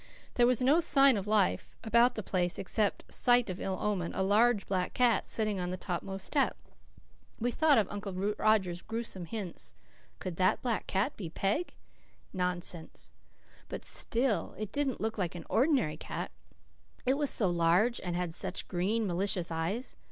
There was no sign of life about the place except sight of ill omen a large black cat, sitting on the topmost step. We thought of Uncle Roger's gruesome hints. Could that black cat be Peg? Nonsense! But still it didn't look like an ordinary cat. It was so large and had such green, malicious eyes!